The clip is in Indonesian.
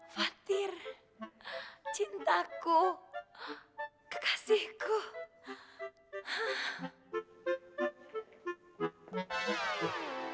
fatir cintaku kekasihku